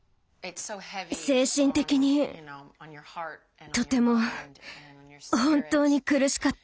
精神的にとても本当に苦しかった。